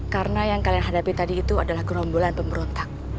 karena yang kalian hadapi tadi itu adalah gerombolan pemberontak